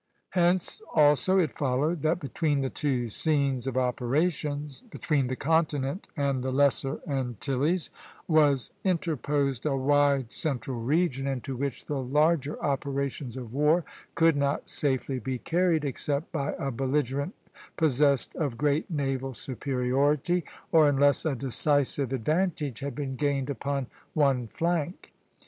Hence also it followed that between the two scenes of operations, between the continent and the Lesser Antilles, was interposed a wide central region into which the larger operations of war could not safely be carried except by a belligerent possessed of great naval superiority, or unless a decisive advantage had been gained upon one flank.